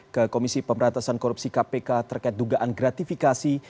ke komisi pemberantasan korupsi kpk terkait dugaan gratifikasi